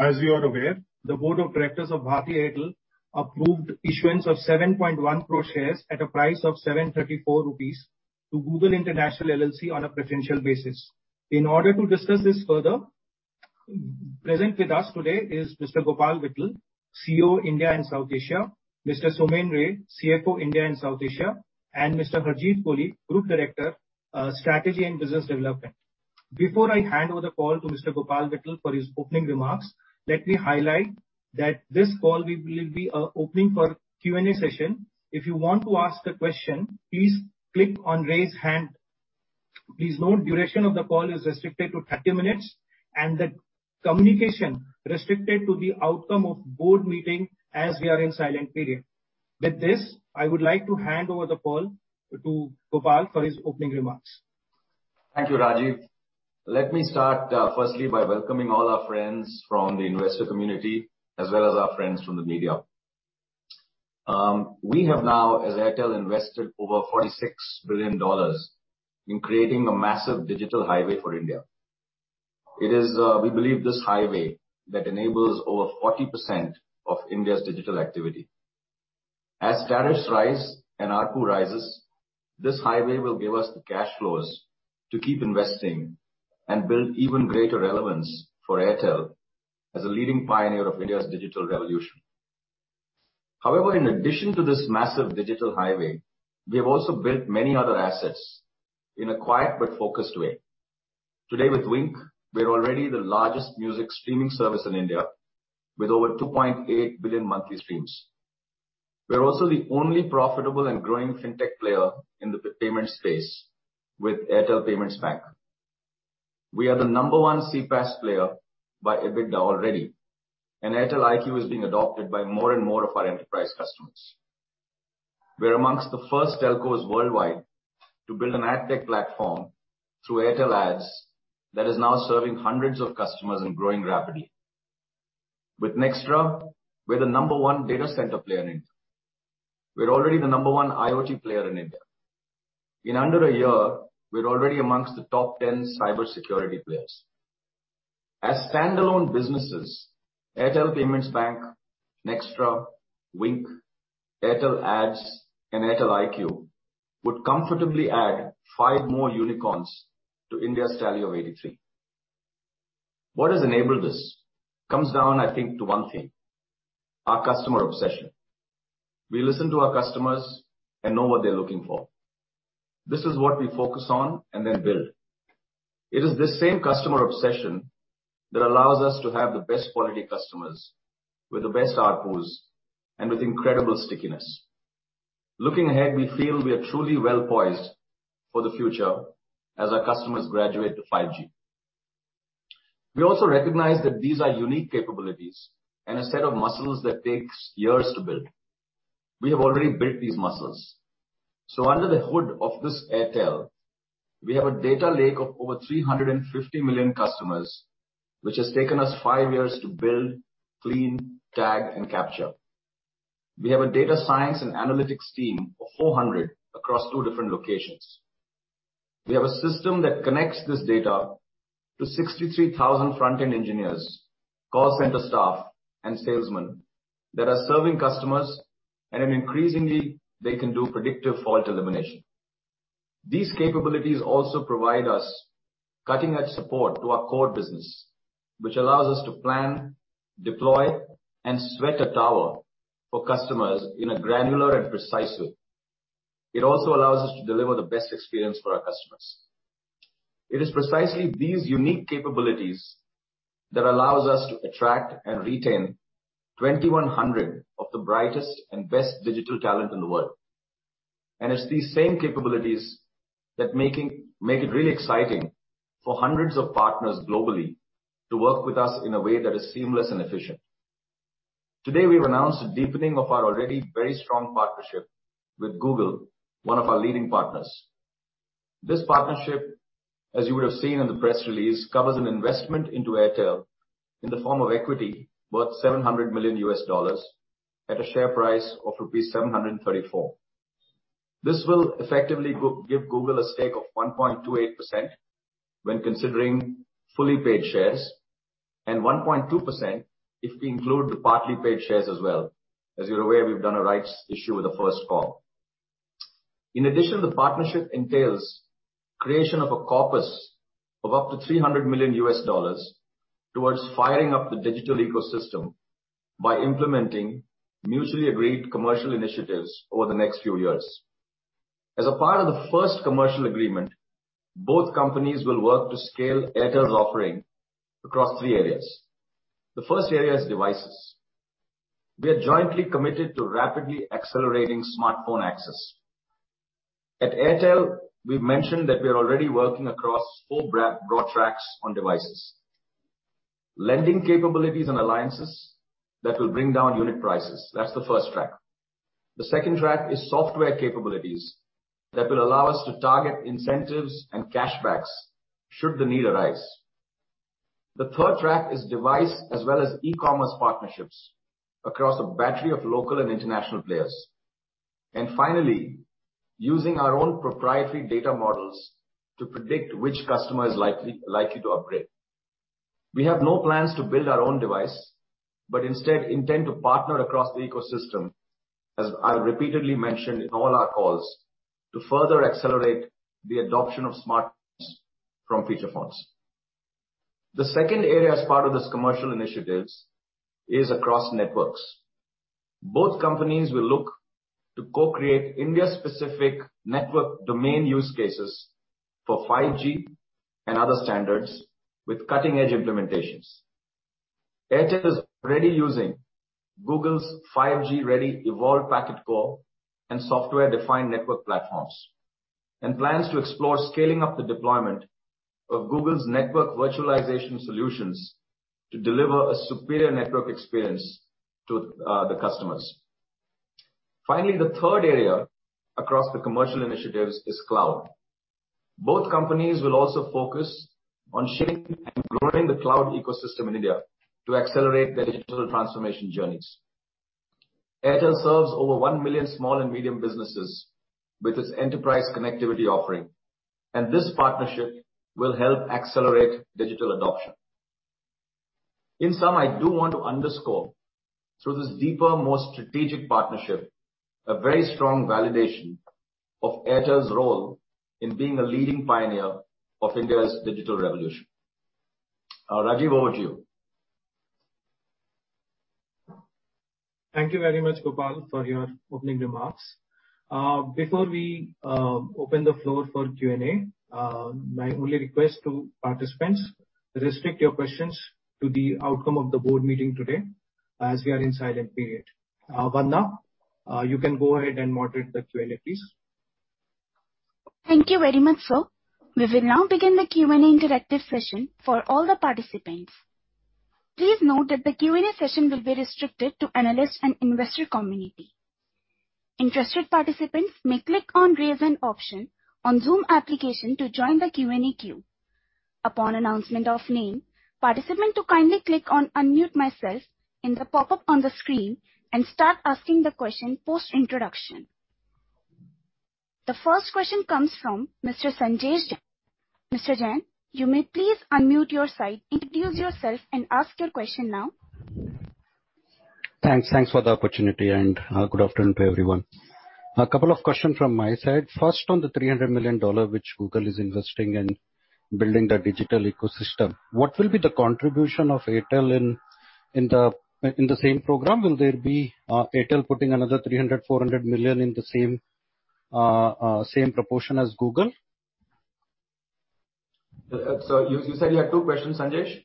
As you are aware, the board of directors of Bharti Airtel approved issuance of 7.1 crore shares at a price of 734 rupees to Google International LLC on a preferential basis. In order to discuss this further, present with us today is Mr. Gopal Vittal, CEO, India and South Asia, Mr. Somen Ray, CFO, India and South Asia, and Mr. Harjeet Kohli, Group Director, Strategy and Business Development. Before I hand over the call to Mr. Gopal Vittal for his opening remarks, let me highlight that this call we will be opening for Q&A session. If you want to ask a question, please click on Raise Hand. Please note, duration of the call is restricted to 30 minutes, and the communication restricted to the outcome of board meeting as we are in silent period. With this, I would like to hand over the call to Gopal for his opening remarks. Thank you, Rajiv. Let me start firstly by welcoming all our friends from the investor community, as well as our friends from the media. We have now, as Airtel, invested over $46 billion in creating a massive digital highway for India. It is, we believe this highway that enables over 40% of India's digital activity. As tariffs rise and ARPU rises, this highway will give us the cash flows to keep investing and build even greater relevance for Airtel as a leading pioneer of India's digital revolution. However, in addition to this massive digital highway, we have also built many other assets in a quiet but focused way. Today with Wynk, we're already the largest music streaming service in India, with over 2.8 billion monthly streams. We're also the only profitable and growing fintech player in the payment space with Airtel Payments Bank. We are the number one CPaaS player by EBITDA already, and Airtel IQ is being adopted by more and more of our enterprise customers. We're amongst the first telcos worldwide to build an Ad Tech platform through Airtel Ads that is now serving hundreds of customers and growing rapidly. With Nxtra, we're the number one data center player in India. We're already the number one IoT player in India. In under a year, we're already amongst the top 10 cybersecurity players. As standalone businesses, Airtel Payments Bank, Nxtra, Wynk, Airtel Ads and Airtel IQ would comfortably add five more unicorns to India's tally of 83. What has enabled this comes down, I think, to one thing, our customer obsession. We listen to our customers and know what they're looking for. This is what we focus on and then build. It is this same customer obsession that allows us to have the best quality customers with the best ARPUs and with incredible stickiness. Looking ahead, we feel we are truly well-poised for the future as our customers graduate to 5G. We also recognize that these are unique capabilities and a set of muscles that takes years to build. We have already built these muscles. Under the hood of this Airtel, we have a data lake of over 350 million customers, which has taken us five years to build, clean, tag, and capture. We have a data science and analytics team of 400 across two different locations. We have a system that connects this data to 63,000 front-end engineers, call center staff, and salesmen that are serving customers, and increasingly, they can do predictive fault elimination. These capabilities also provide us cutting-edge support to our core business, which allows us to plan, deploy, and sweat a tower for customers in a granular and precise way. It also allows us to deliver the best experience for our customers. It is precisely these unique capabilities that allows us to attract and retain 2,100 of the brightest and best digital talent in the world. It's these same capabilities that make it really exciting for hundreds of partners globally to work with us in a way that is seamless and efficient. Today, we've announced a deepening of our already very strong partnership with Google, one of our leading partners. This partnership, as you would have seen in the press release, covers an investment into Airtel in the form of equity worth $700 million at a share price of rupees 734. This will effectively give Google a stake of 1.28% when considering fully paid shares, and 1.2% if we include the partly paid shares as well. As you're aware, we've done a rights issue with the first call. In addition, the partnership entails creation of a corpus of up to $300 million towards firing up the digital ecosystem by implementing mutually agreed commercial initiatives over the next few years. As a part of the first commercial agreement, both companies will work to scale Airtel's offering across three areas. The first area is devices. We are jointly committed to rapidly accelerating smartphone access. At Airtel, we've mentioned that we are already working across four broad tracks on devices, lending capabilities and alliances that will bring down unit prices. That's the first track. The second track is software capabilities that will allow us to target incentives and cashbacks should the need arise. The third track is device as well as e-commerce partnerships across a battery of local and international players. Finally, using our own proprietary data models to predict which customer is likely to upgrade. We have no plans to build our own device, but instead intend to partner across the ecosystem, as I repeatedly mentioned in all our calls, to further accelerate the adoption of smartphones from feature phones. The second area as part of this commercial initiatives is across networks. Both companies will look to co-create India-specific network domain use cases for 5G and other standards with cutting-edge implementations. Airtel is already using Google's 5G-ready Evolved Packet Core and Software Defined Network platforms, and plans to explore scaling up the deployment of Google's network virtualization solutions to deliver a superior network experience to the customers. Finally, the third area across the commercial initiatives is cloud. Both companies will also focus on shaping and growing the cloud ecosystem in India to accelerate their digital transformation journeys. Airtel serves over 1 million small and medium businesses with its enterprise connectivity offering, and this partnership will help accelerate digital adoption. In sum, I do want to underscore through this deeper, more strategic partnership, a very strong validation of Airtel's role in being a leading pioneer of India's digital revolution. Rajiv, over to you. Thank you very much, Gopal, for your opening remarks. Before we open the floor for Q&A, my only request to participants, restrict your questions to the outcome of the board meeting today, as we are in silent period. Vandana, you can go ahead and moderate the Q&A, please. Thank you very much, sir. We will now begin the Q&A interactive session for all the participants. Please note that the Q&A session will be restricted to analyst and investor community. Interested participants may click on Raise Hand option on Zoom application to join the Q&A queue. Upon announcement of name, participant to kindly click on Unmute Myself in the pop-up on the screen and start asking the question post-introduction. The first question comes from Mr. Sanjesh. Mr. Jain, you may please unmute your side, introduce yourself and ask your question now. Thanks. Thanks for the opportunity and good afternoon to everyone. A couple of questions from my side. First, on the $300 million which Google is investing in building the digital ecosystem, what will be the contribution of Airtel in the same program? Will there be Airtel putting another $300 million, $400 million in the same proportion as Google? You said you had two questions, Sanjesh?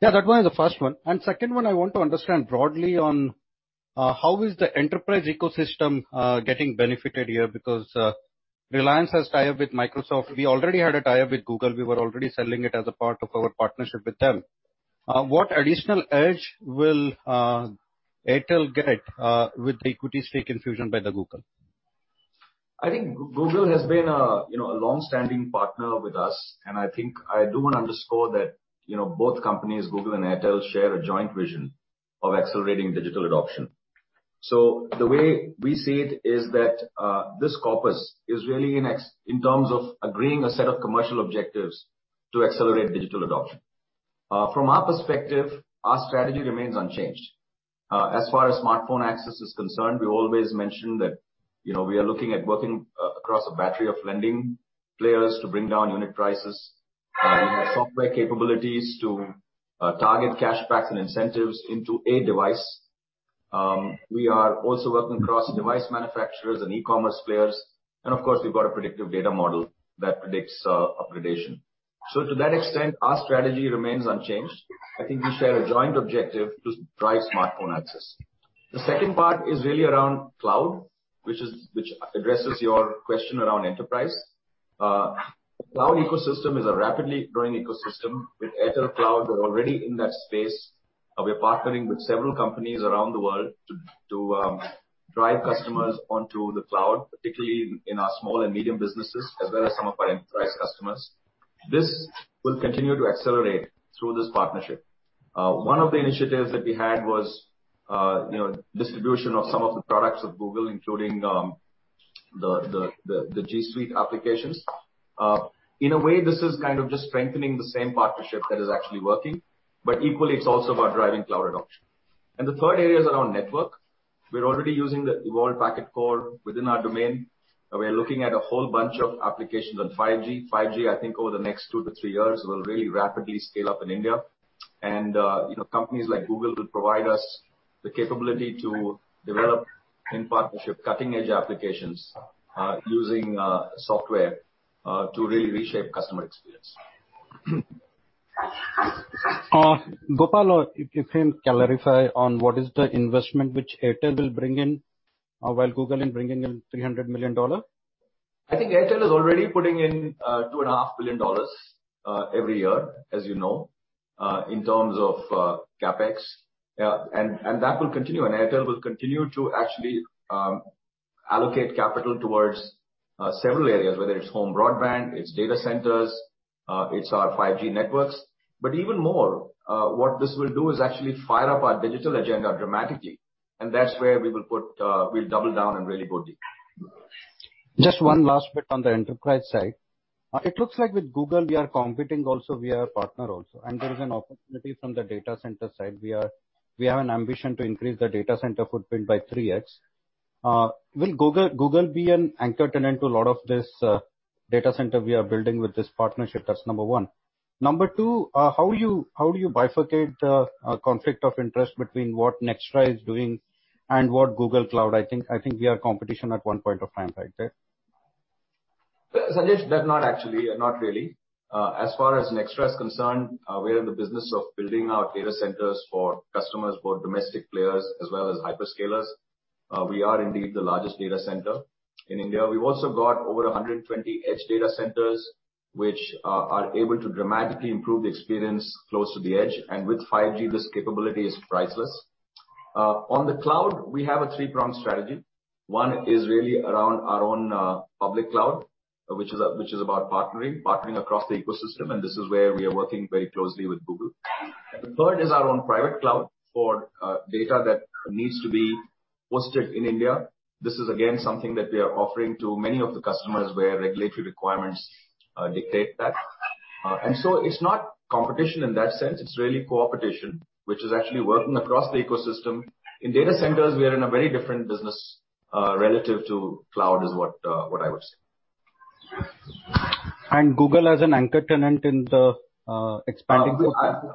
Yeah, that one is the first one. Second one I want to understand broadly on how is the enterprise ecosystem getting benefited here because Reliance has tie-up with Microsoft. We already had a tie-up with Google. We were already selling it as a part of our partnership with them. What additional edge will Airtel get with the equity stake infusion by Google? I think Google has been, you know, a long-standing partner with us, and I think I do want to underscore that, you know, both companies, Google and Airtel, share a joint vision of accelerating digital adoption. The way we see it is that this investment is really in terms of agreeing a set of commercial objectives to accelerate digital adoption. From our perspective, our strategy remains unchanged. As far as smartphone access is concerned, we always mention that, you know, we are looking at working across a battery of lending players to bring down unit prices. We have software capabilities to target cash backs and incentives into a device. We are also working across device manufacturers and e-commerce players, and of course, we've got a predictive data model that predicts upgradation. To that extent, our strategy remains unchanged. I think we share a joint objective to drive smartphone access. The second part is really around cloud, which addresses your question around enterprise. Cloud ecosystem is a rapidly growing ecosystem. With Airtel Cloud, we're already in that space. We're partnering with several companies around the world to drive customers onto the cloud, particularly in our small and medium businesses, as well as some of our enterprise customers. This will continue to accelerate through this partnership. One of the initiatives that we had was distribution of some of the products of Google, including the G Suite applications. In a way, this is kind of just strengthening the same partnership that is actually working, but equally it's also about driving cloud adoption. The third area is around network. We're already using the Evolved Packet Core within our domain. We're looking at a whole bunch of applications on 5G. 5G, I think over the next two to three years, will really rapidly scale up in India. You know, companies like Google will provide us the capability to develop, in partnership, cutting-edge applications using software to really reshape customer experience. Gopal, if you can clarify on what is the investment which Airtel will bring in, while Google is bringing in $300 million? I think Airtel is already putting in $2.5 billion every year, as you know, in terms of CapEx. Yeah, that will continue. Airtel will continue to actually allocate capital towards several areas, whether it's home broadband, it's data centers, it's our 5G networks. Even more, what this will do is actually fire up our digital agenda dramatically, and that's where we will put. We'll double down and really boost it. Just one last bit on the enterprise side. It looks like with Google we are competing also, we are a partner also. There is an opportunity from the data center side. We have an ambition to increase the data center footprint by 3x. Will Google be an anchor tenant to a lot of this data center we are building with this partnership? That's number one. Number two, how do you bifurcate a conflict of interest between what Nxtra is doing and what Google Cloud, I think we are competition at one point of time, right? Sanjesh, that's not actually, not really. As far as Nxtra is concerned, we are in the business of building our data centers for customers, for domestic players, as well as hyperscalers. We are indeed the largest data center in India. We've also got over 120 edge data centers which are able to dramatically improve the experience close to the edge. With 5G, this capability is priceless. On the cloud, we have a three-pronged strategy. One is really around our own public cloud, which is about partnering across the ecosystem, and this is where we are working very closely with Google. The third is our own private cloud for data that needs to be hosted in India. This is again, something that we are offering to many of the customers where regulatory requirements dictate that. It's not competition in that sense. It's really cooperation, which is actually working across the ecosystem. In data centers, we are in a very different business relative to cloud, is what I would say. Google as an anchor tenant in the expanding-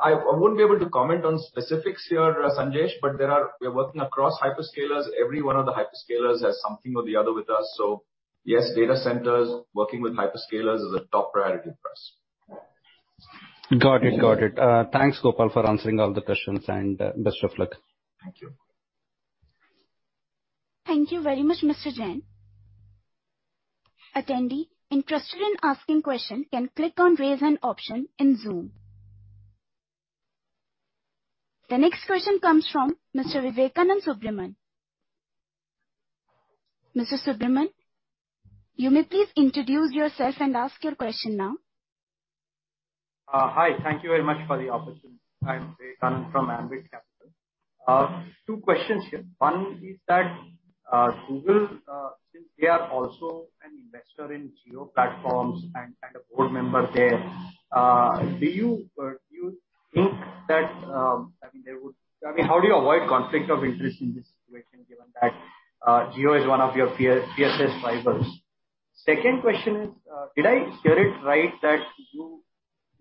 I wouldn't be able to comment on specifics here, Sanjesh, but we're working across hyperscalers. Every one of the hyperscalers has something or the other with us. Yes, data centers working with hyperscalers is a top priority for us. Got it. Thanks, Gopal, for answering all the questions. Best of luck. Thank you. Thank you very much, Mr. Jain. Attendee interested in asking question can click on Raise Hand option in Zoom. The next question comes from Mr. Vivekanand Subbaraman. Mr. Subbaraman, you may please introduce yourself and ask your question now. Hi. Thank you very much for the opportunity. I'm Vivekanand from Ambit Capital. Two questions here. One is that Google, since they are also an investor in Jio Platforms and a board member there, how do you avoid conflict of interest in this situation, given that Jio is one of your peer telco rivals? Second question is, did I hear it right that you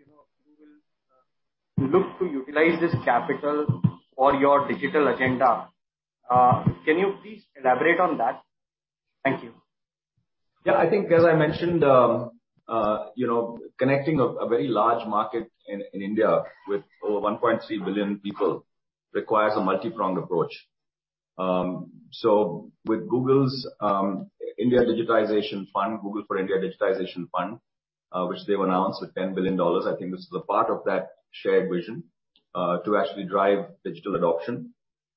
know you will look to utilize this capital for your digital agenda? Can you please elaborate on that? Thank you. Yeah, I think as I mentioned, you know, connecting a very large market in India with over 1.3 billion people requires a multi-pronged approach. With Google's India Digitization Fund, Google for India Digitization Fund, which they've announced at $10 billion, I think this is a part of that shared vision to actually drive digital adoption.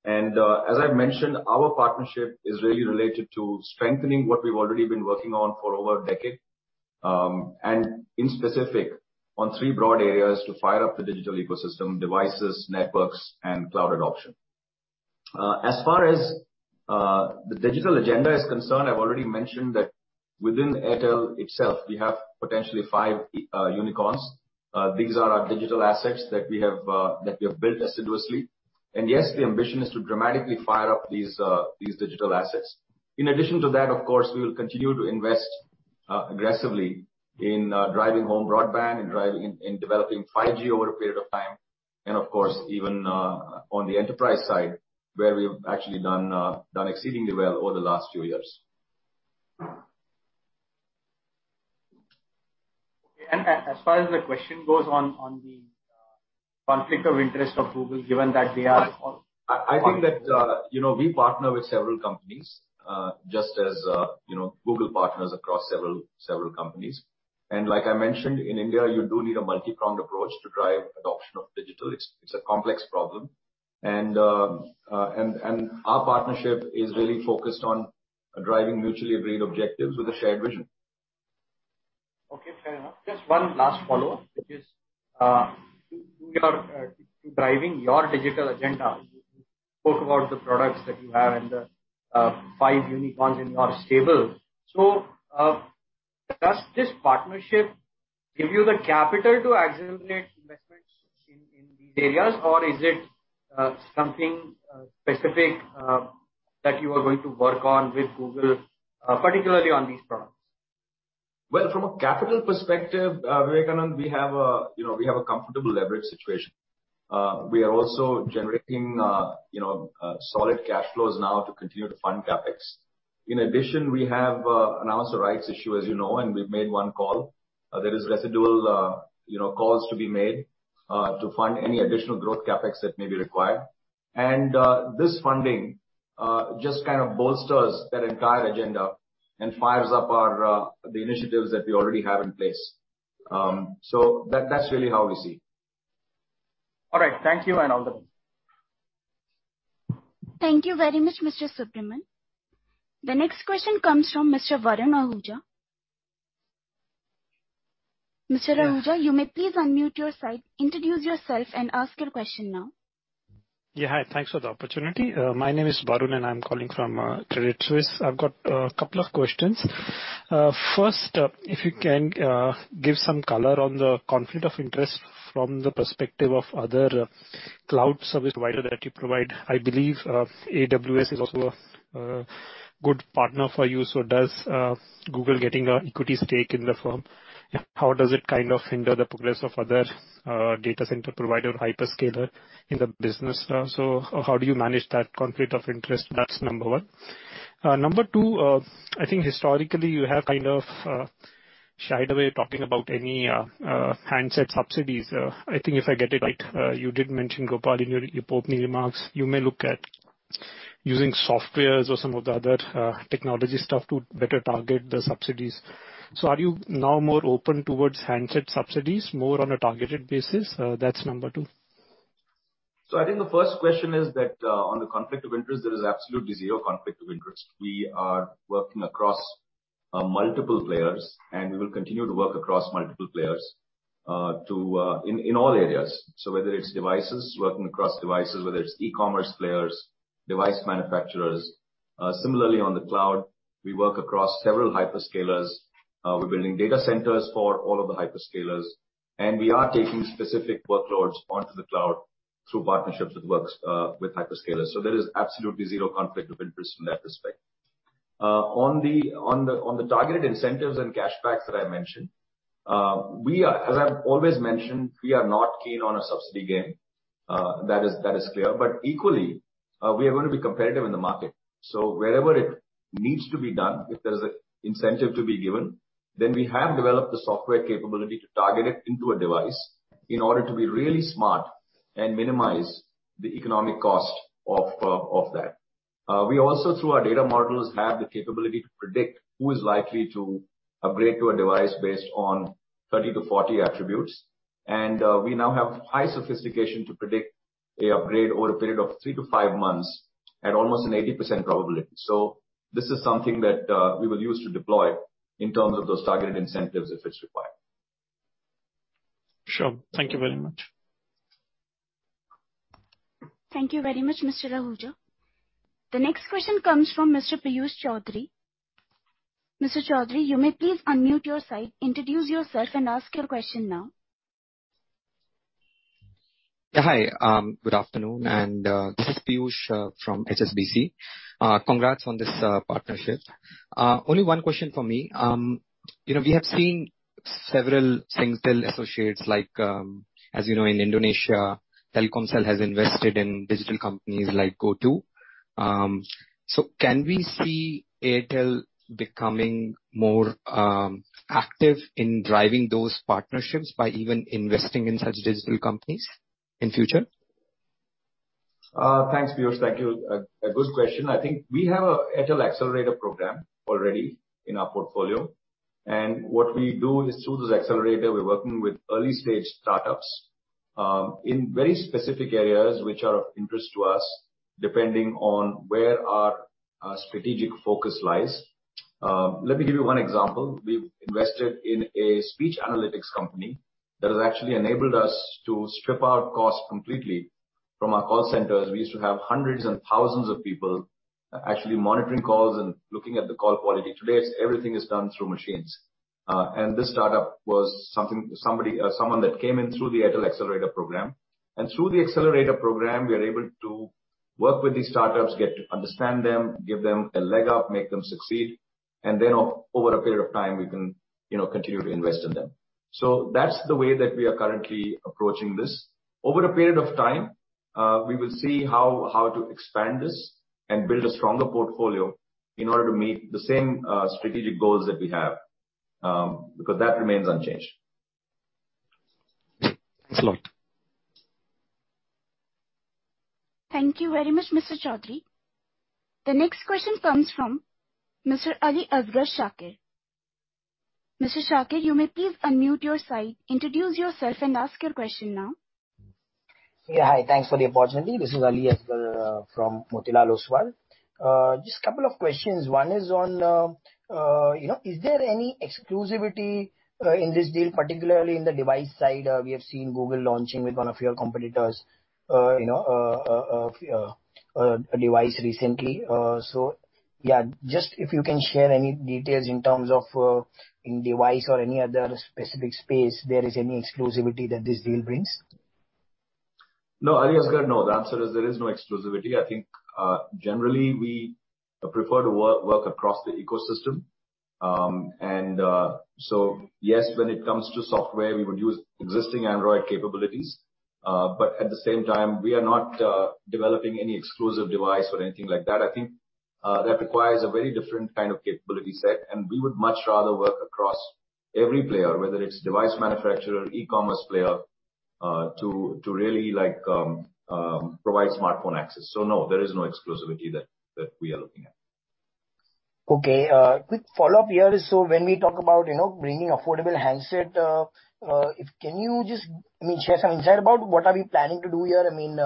As I've mentioned, our partnership is really related to strengthening what we've already been working on for over a decade. In specific, on three broad areas to fire up the digital ecosystem, devices, networks, and cloud adoption. As far as the digital agenda is concerned, I've already mentioned that within Airtel itself, we have potentially five unicorns. These are our digital assets that we have built assiduously. Yes, the ambition is to dramatically fire up these digital assets. In addition to that, of course, we will continue to invest aggressively in driving home broadband and in developing 5G over a period of time. Of course, even on the enterprise side, where we've actually done exceedingly well over the last few years. As far as the question goes on the conflict of interest of Google, given that they are- I think that you know we partner with several companies, just as you know Google partners across several companies. Like I mentioned, in India, you do need a multi-pronged approach to drive adoption of digital. It's a complex problem. Our partnership is really focused on driving mutually agreed objectives with a shared vision. Okay, fair enough. Just one last follow-up, which is you are driving your digital agenda. You spoke about the products that you have and the five unicorns in your stable. Does this partnership give you the capital to accelerate investments in these areas, or is it something specific that you are going to work on with Google particularly on these products? Well, from a capital perspective, Vivekanand, we have a comfortable leverage situation. We are also generating, you know, solid cash flows now to continue to fund CapEx. In addition, we have announced a rights issue, as you know, and we've made one call. There is residual, you know, calls to be made to fund any additional growth CapEx that may be required. This funding just kind of bolsters that entire agenda and fires up our initiatives that we already have in place. That's really how we see it. All right. Thank you, and all the best. Thank you very much, Mr. Vivekanand Subbaraman. The next question comes from Mr. Varun Ahuja. Mr. Ahuja, you may please unmute your side, introduce yourself and ask your question now. Yeah, hi. Thanks for the opportunity. My name is Varun, and I'm calling from Credit Suisse. I've got a couple of questions. First, if you can give some color on the conflict of interest from the perspective of other cloud service providers that you provide. I believe AWS is also a good partner for you. Does Google getting an equity stake in the firm, how does it kind of hinder the progress of other data center providers, hyperscalers in the business? How do you manage that conflict of interest? That's number one. Number two, I think historically you have kind of shied away talking about any handset subsidies. I think if I get it right, you did mention, Gopal, in your opening remarks, you may look at using softwares or some of the other technology stuff to better target the subsidies. Are you now more open towards handset subsidies more on a targeted basis? That's number two. I think the first question is that, on the conflict of interest, there is absolutely zero conflict of interest. We are working across multiple players, and we will continue to work across multiple players in all areas. Whether it's devices, working across devices, whether it's e-commerce players, device manufacturers. Similarly on the cloud, we work across several hyperscalers. We're building data centers for all of the hyperscalers, and we are taking specific workloads onto the cloud through partnerships with hyperscalers. There is absolutely zero conflict of interest from that perspective. On the targeted incentives and cashbacks that I mentioned, as I've always mentioned, we are not keen on a subsidy game. That is clear. But equally, we are gonna be competitive in the market. Wherever it needs to be done, if there's an incentive to be given, then we have developed the software capability to target it into a device in order to be really smart and minimize the economic cost of that. We also, through our data models, have the capability to predict who is likely to upgrade to a device based on 30-40 attributes. We now have high sophistication to predict an upgrade over a period of three to five months at almost an 80% probability. This is something that we will use to deploy in terms of those targeted incentives if it's required. Sure. Thank you very much. Thank you very much, Mr. Ahuja. The next question comes from Mr. Piyush Choudhary. Mr. Choudhary, you may please unmute your side, introduce yourself and ask your question now. Hi. Good afternoon. This is Piyush from HSBC. Congrats on this partnership. Only one question from me. You know, we have seen several Singtel associates like, as you know, in Indonesia, Telkomsel has invested in digital companies like GoTo. Can we see Airtel becoming more active in driving those partnerships by even investing in such digital companies in future? Thanks, Piyush. Thank you. A good question. I think we have a Airtel Accelerator program already in our portfolio, and what we do is through this accelerator, we're working with early-stage startups in very specific areas which are of interest to us, depending on where our strategic focus lies. Let me give you one example. We've invested in a speech analytics company that has actually enabled us to strip out costs completely from our call centers. We used to have hundreds and thousands of people actually monitoring calls and looking at the call quality. Today, everything is done through machines. This startup was someone that came in through the Airtel Accelerator program. Through the Accelerator program, we are able to work with these startups, get to understand them, give them a leg up, make them succeed, and then over a period of time, we can, you know, continue to invest in them. That's the way that we are currently approaching this. Over a period of time, we will see how to expand this and build a stronger portfolio in order to meet the same strategic goals that we have, because that remains unchanged. Thanks a lot. Thank you very much, Mr. Choudhary. The next question comes from Mr. Aliasgar Shakir. Mr. Shakir, you may please unmute your side, introduce yourself and ask your question now. Yeah. Hi. Thanks for the opportunity. This is Aliasgar from Motilal Oswal. Just couple of questions. One is on, you know, is there any exclusivity in this deal, particularly in the device side? We have seen Google launching with one of your competitors, you know, a device recently. So yeah, just if you can share any details in terms of the device or any other specific space there is any exclusivity that this deal brings. No, Aliasgar. No, the answer is there is no exclusivity. I think generally we prefer to work across the ecosystem. Yes, when it comes to software, we would use existing Android capabilities, but at the same time we are not developing any exclusive device or anything like that. I think that requires a very different kind of capability set, and we would much rather work across every player, whether it's device manufacturer or e-commerce player, to really like provide smartphone access. No, there is no exclusivity that we are looking at. Okay, quick follow-up here. So when we talk about, you know, bringing affordable handset, can you just, I mean, share some insight about what we are planning to do here? I mean,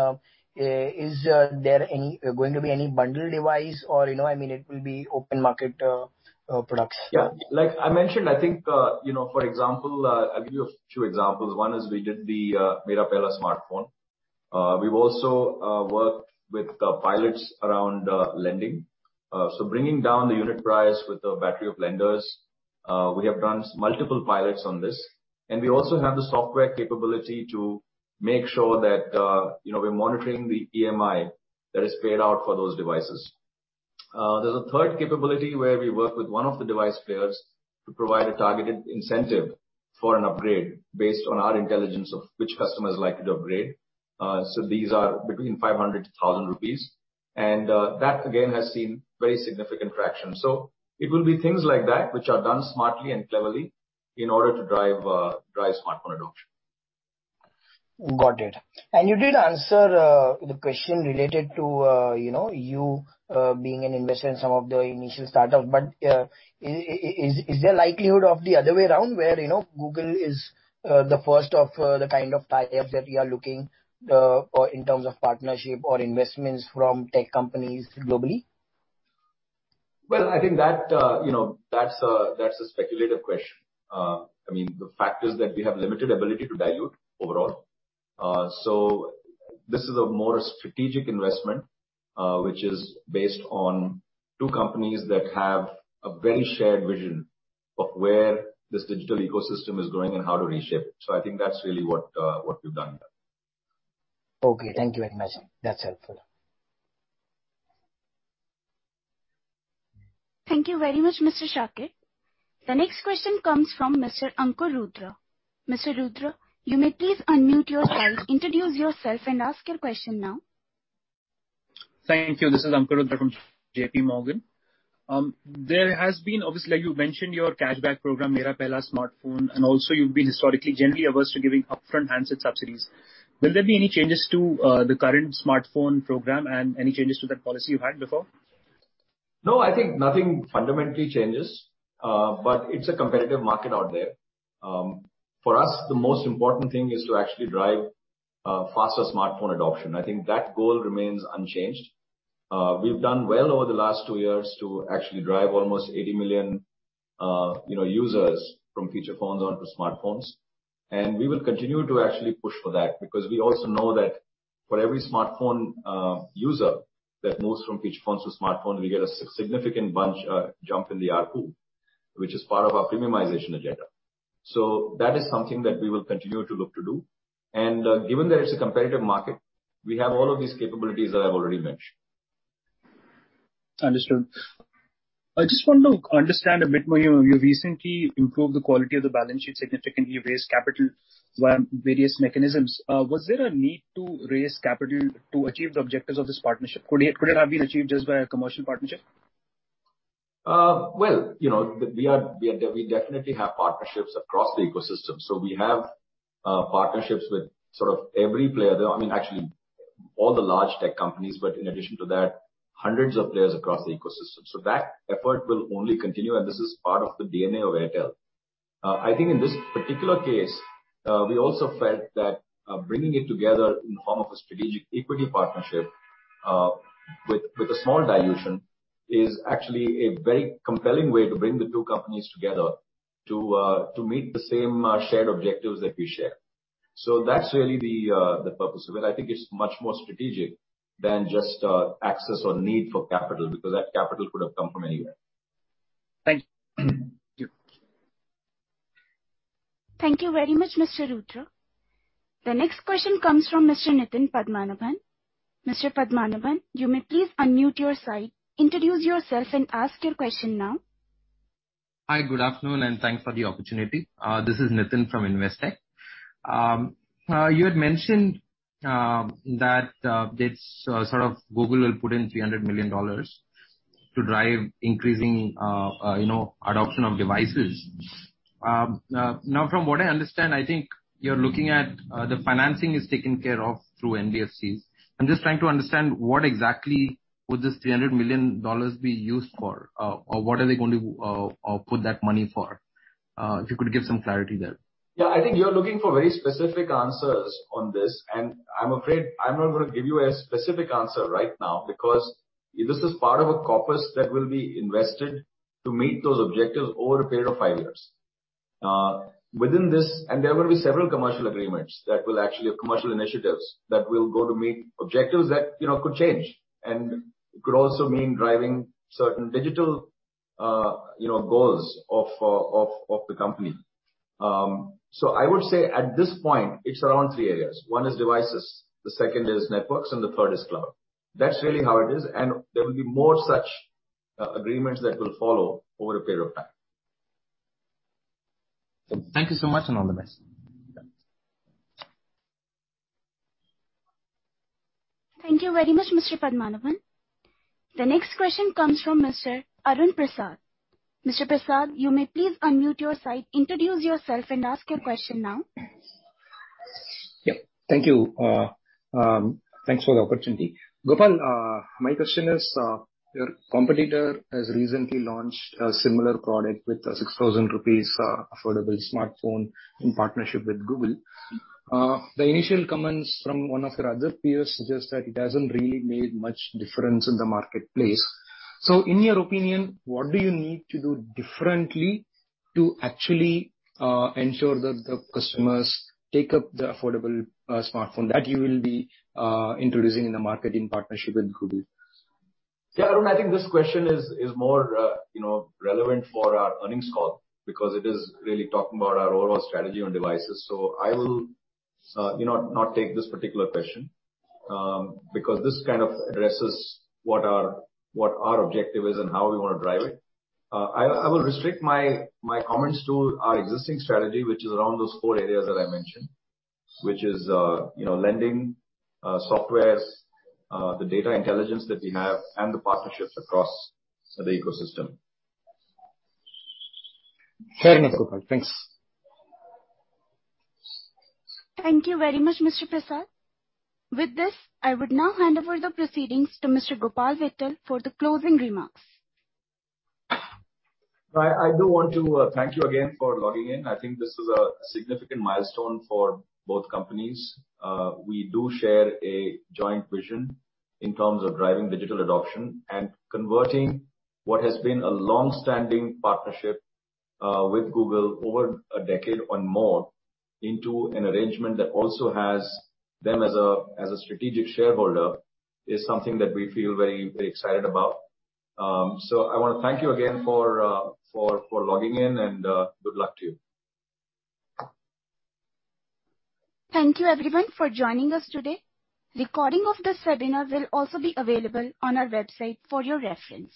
is there going to be any bundled device or, you know, I mean, it will be open market products? Yeah. Like I mentioned, I think, you know, for example, I'll give you a few examples. One is we did the Mera Pehla Smartphone. We've also worked with the pilots around lending. Bringing down the unit price with a battery of lenders, we have done multiple pilots on this. We also have the software capability to make sure that, you know, we're monitoring the EMI that is paid out for those devices. There's a third capability where we work with one of the device players to provide a targeted incentive for an upgrade based on our intelligence of which customers are likely to upgrade. These are between 500-1,000 rupees and that again has seen very significant traction. It will be things like that which are done smartly and cleverly in order to drive smartphone adoption. Got it. You did answer the question related to, you know, you being an investor in some of the initial startup, but is there likelihood of the other way around where, you know, Google is the first of the kind of tie-ups that you are looking or in terms of partnership or investments from tech companies globally? Well, I think that, you know, that's a speculative question. I mean, the fact is that we have limited ability to dilute overall. This is a more strategic investment, which is based on two companies that have a very shared vision of where this digital ecosystem is going and how to reshape it. I think that's really what we've done here. Okay. Thank you, Akshat. That's helpful. Thank you very much, Mr. Shakir. The next question comes from Mr. Ankur Rudra. Mr. Rudra, you may please unmute yourself, introduce yourself and ask your question now. Thank you. This is Ankur Rudra from JPMorgan. There has been obviously, like you mentioned, your cashback program, Mera Pehla Smartphone, and also you've been historically generally averse to giving upfront handset subsidies. Will there be any changes to the current smartphone program and any changes to that policy you had before? No, I think nothing fundamentally changes, but it's a competitive market out there. For us, the most important thing is to actually drive faster smartphone adoption. I think that goal remains unchanged. We've done well over the last two years to actually drive almost 80 million, you know, users from feature phones onto smartphones. We will continue to actually push for that because we also know that for every smartphone user that moves from feature phones to smartphone, we get a significant jump in the ARPU, which is part of our premiumization agenda. That is something that we will continue to look to do. Given that it's a competitive market, we have all of these capabilities that I've already mentioned. Understood. I just want to understand a bit more. You recently improved the quality of the balance sheet, significantly raised capital via various mechanisms. Was there a need to raise capital to achieve the objectives of this partnership? Could it have been achieved just by a commercial partnership? Well, you know, we definitely have partnerships across the ecosystem, so we have partnerships with sort of every player. I mean, actually all the large tech companies, but in addition to that, hundreds of players across the ecosystem. That effort will only continue, and this is part of the DNA of Airtel. I think in this particular case, we also felt that bringing it together in the form of a strategic equity partnership with a small dilution is actually a very compelling way to bring the two companies together to meet the same shared objectives that we share. That's really the purpose of it. I think it's much more strategic than just access or need for capital, because that capital could have come from anywhere. Thank you. Thank you. Thank you very much, Mr. Rudra. The next question comes from Mr. Nitin Padmanabhan. Mr. Padmanabhan, you may please unmute your side, introduce yourself and ask your question now. Hi, good afternoon, and thanks for the opportunity. This is Nitin from Investec. You had mentioned that this sort of Google will put in $300 million to drive increasing, you know, adoption of devices. Now, from what I understand, I think you're looking at the financing is taken care of through NBFCs. I'm just trying to understand what exactly would this $300 million be used for, or what are they going to put that money for? If you could give some clarity there. Yeah. I think you're looking for very specific answers on this, and I'm afraid I'm not gonna give you a specific answer right now because this is part of a corpus that will be invested to meet those objectives over a period of five years. Within this, there will be several commercial agreements that will actually, or commercial initiatives that will go to meet objectives that, you know, could change and could also mean driving certain digital, you know, goals of the company. I would say at this point, it's around three areas. One is devices, the second is networks, and the third is cloud. That's really how it is. There will be more such agreements that will follow over a period of time. Thank you so much, and all the best. Thanks. Thank you very much, Mr. Padmanabhan. The next question comes from Mr. Arun Prasad. Mr. Prasad, you may please unmute your side, introduce yourself and ask your question now. Yeah. Thank you. Thanks for the opportunity. Gopal, my question is, your competitor has recently launched a similar product with an 6,000 rupees affordable smartphone in partnership with Google. The initial comments from one of your other peers suggests that it hasn't really made much difference in the marketplace. In your opinion, what do you need to do differently to actually ensure that the customers take up the affordable smartphone that you will be introducing in the market in partnership with Google? Yeah, Arun, I think this question is more you know relevant for our earnings call because it is really talking about our overall strategy on devices. I will you know not take this particular question because this kind of addresses what our objective is and how we wanna drive it. I will restrict my comments to our existing strategy, which is around those four areas that I mentioned, which is lending software the data intelligence that we have and the partnerships across the ecosystem. Fair enough, Gopal. Thanks. Thank you very much, Mr. Prasad. With this, I would now hand over the proceedings to Mr. Gopal Vittal for the closing remarks. I do want to thank you again for logging in. I think this is a significant milestone for both companies. We do share a joint vision in terms of driving digital adoption and converting what has been a long-standing partnership with Google over a decade or more into an arrangement that also has them as a strategic shareholder is something that we feel very, very excited about. I wanna thank you again for logging in and good luck to you. Thank you everyone for joining us today. Recording of this webinar will also be available on our website for your reference.